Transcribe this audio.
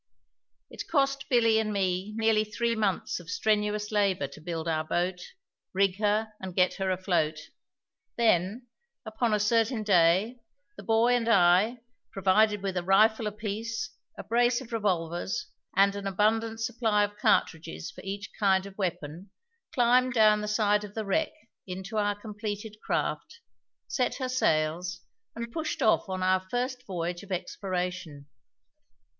It cost Billy and me nearly three months of strenuous labour to build our boat, rig her, and get her afloat; then, upon a certain day, the boy and I, provided with a rifle apiece, a brace of revolvers, and an abundant supply of cartridges for each kind of weapon, climbed down the side of the wreck into our completed craft, set her sails, and pushed off upon our first voyage of exploration.